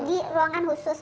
di ruangan khusus